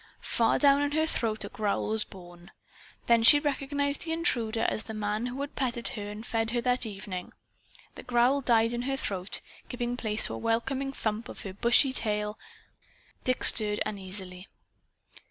Far down in her throat a growl was born. Then she recognized the intruder as the man who had petted her and fed her that evening. The growl died in her throat, giving place to a welcoming thump or two of her bushy tail. Dick stirred uneasily.